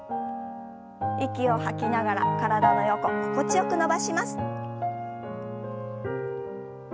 息を吐きながら体の横心地よく伸ばします。